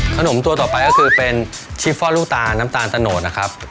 ตัวต่อไปก็คือเป็นชิฟฟอลลูกตาลน้ำตาลตะโนดนะครับ